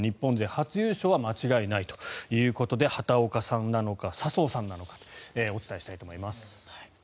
初優勝は間違いないということで畑岡さんなのか笹生さんなのかお伝えしたいと思います。